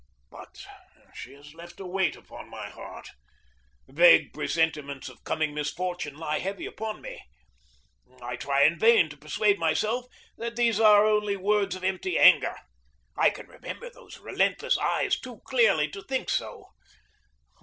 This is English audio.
But she has left a weight upon my heart. Vague presentiments of coming misfortune lie heavy upon me. I try in vain to persuade myself that these are only words of empty anger. I can remember those relentless eyes too clearly to think so.